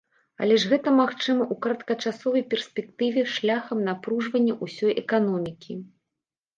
Але ж гэта магчыма ў кароткачасовай перспектыве шляхам напружвання ўсёй эканомікі.